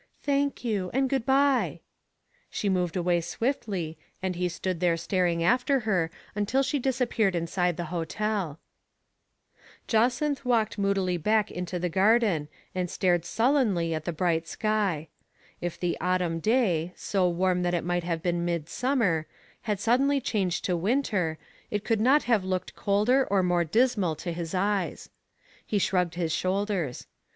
" Thank you, and good by." She moved away swiftly, and he stood there staring after her until she disappeared inside the hotel. Digitized by Google 24 THE FATE OF FEN ELLA, Jacynth walked moodily back into the garden and stared sullenly at the bright sky. If the autumn day, so warm that it might have been midsummer, had suddenly changed to winter, it could not have looked colder or more dismal to his eyes. He shrugged his shoulders.